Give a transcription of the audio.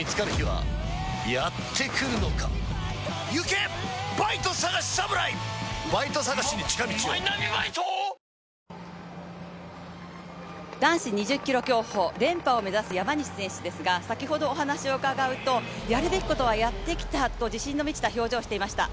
今アイルランド、ジャマイカ男子２０ｋｍ競歩連覇を目指す山西選手ですが先ほどお話を伺うとやるべきことはやってきたと自信に満ちた表情をしていました。